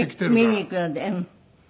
見に行くので。